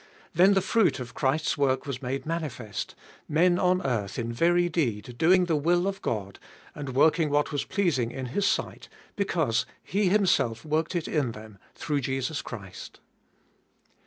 Then the fruit of Christ's work was made manifest ; men on earth in very deed doing the will of God, and working what was pleasing in His sight, because He Himself worked it in them, through Jesus Christ.